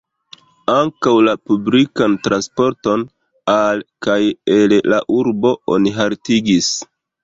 Ankaŭ la publikan transporton al kaj el la urbo oni haltigis.